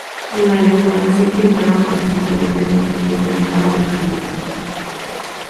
En la decoración pintaban principalmente el motivo de un ave estilizada.